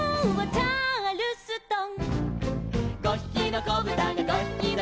「チャールストン」